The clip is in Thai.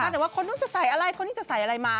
แต่ว่าคนนู้นจะใส่อะไรคนนี้จะใส่อะไรมา